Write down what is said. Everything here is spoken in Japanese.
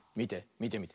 みてみて。